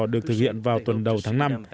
được thực hiện vào tuần đầu tháng năm